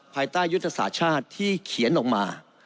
ภายใต้ยุทธศาสตร์ชาติที่เขียนออกมา